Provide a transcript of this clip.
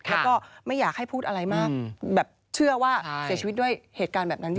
แล้วก็ไม่อยากให้พูดอะไรมากแบบเชื่อว่าเสียชีวิตด้วยเหตุการณ์แบบนั้นจริง